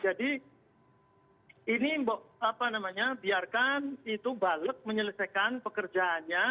jadi ini apa namanya biarkan itu balik menyelesaikan pekerjaannya